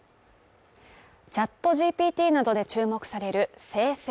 ＣｈａｔＧＰＴなどで注目される生成